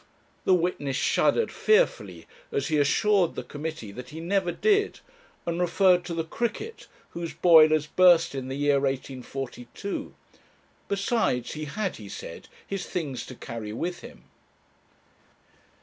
The witness shuddered fearfully as he assured the committee that he never did, and referred to the Cricket, whose boilers burst in the year 1842; besides, he had, he said, his things to carry with him.